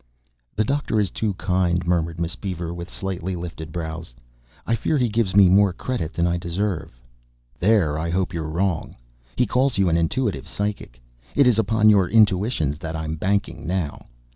"The doctor is too kind," murmured Miss Beaver with slightly lifted brows. "I fear he gives me more credit than I deserve." "There I hope you're wrong. He calls you an intuitive psychic. It is upon your intuitions that I'm banking now.